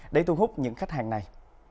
để thu hút những khách hàng này